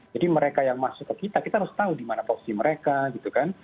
jadi mereka yang masuk ke kita kita harus tahu di mana posisi mereka gitu kan